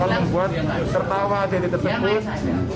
kalau membuat tertawa dari tersebut